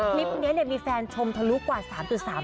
คลิปนี้เนี่ยมีแฟนชมทะลุกว่า๓๓ล้านวิว